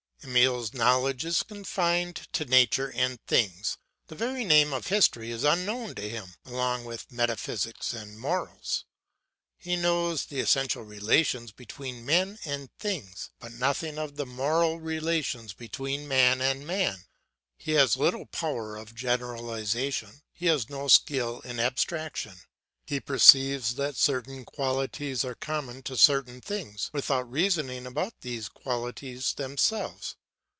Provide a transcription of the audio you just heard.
Emile's knowledge is confined to nature and things. The very name of history is unknown to him, along with metaphysics and morals. He knows the essential relations between men and things, but nothing of the moral relations between man and man. He has little power of generalisation, he has no skill in abstraction. He perceives that certain qualities are common to certain things, without reasoning about these qualities themselves.